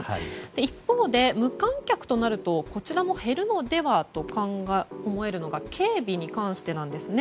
一方で、無観客となるとこちらも減るのではと思えるのが警備に関してなんですね。